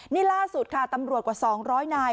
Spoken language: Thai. นี่ล่าสุดค่ะตำรวจกว่า๒๐๐นาย